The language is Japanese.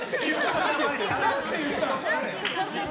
何て言ったの？